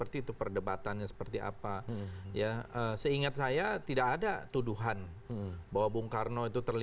tidak pernah dihukum